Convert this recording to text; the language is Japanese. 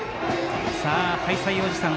「ハイサイおじさん」。